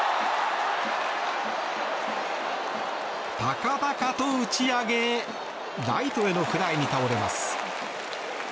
高々と打ち上げライトへのフライに倒れます。